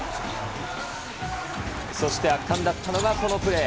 そして圧巻だったのがこのプレー。